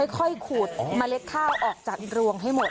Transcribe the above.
ขูดเมล็ดข้าวออกจากรวงให้หมด